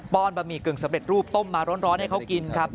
ป้อนบะหมี่กึ่งเสบ็ดรูปต้มมาร้อนให้เขากินครับ